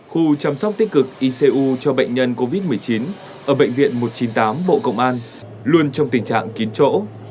khu chăm sóc tích cực icu cho bệnh nhân covid một mươi chín ở bệnh viện một trăm chín mươi tám bộ công an luôn trong tình trạng kín chỗ